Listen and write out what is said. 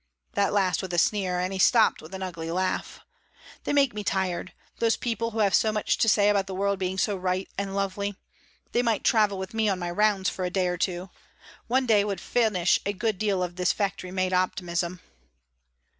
That last with a sneer, and he stopped with an ugly laugh. "They make me tired those people who have so much to say about the world being so right and lovely. They might travel with me on my rounds for a day or two. One day would finish a good deal of this factory made optimism."